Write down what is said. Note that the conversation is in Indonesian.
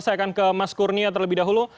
saya akan ke mas kurnia terlebih dahulu